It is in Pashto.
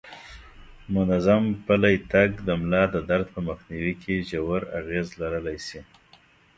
منظم پلی تګ د ملا د درد په مخنیوي کې ژور اغیز لرلی شي.